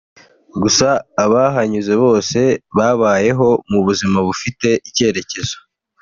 gusa abahanyuze bose babayeho mu buzima bufite icyerekezo